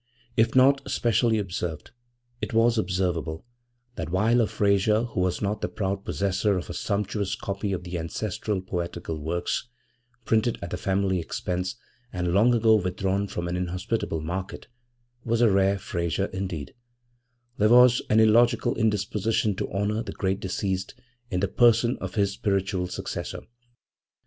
If not specially observed, it was observable that while a Frayser who was not the proud possessor of a sumptuous copy of the ancestral 'poetical works' (printed at the family expense, and long ago withdrawn from an inhospitable market) was a rare Frayser indeed, there was an illogical indisposition to honour the great deceased in the person of his spiritual successor.